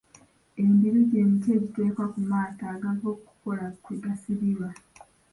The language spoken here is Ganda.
Embiru gy’emiti egiteekwa ku maato agava okukola kwe gasibirwa.